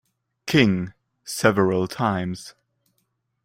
King several times.